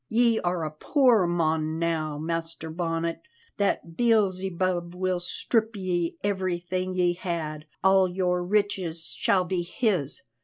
Ye are a poor mon now, Master Bonnet; that Beelzebub will strip from ye everything ye had, all your riches shall be his.